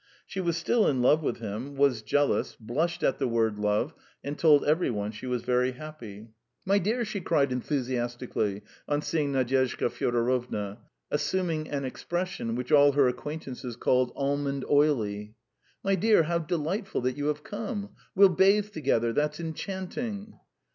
She was still in love with him, was jealous, blushed at the word "love," and told every one she was very happy. "My dear," she cried enthusiastically, on seeing Nadyezhda Fyodorovna, assuming an expression which all her acquaintances called "almond oily." "My dear, how delightful that you have come! We'll bathe together that's enchanting!"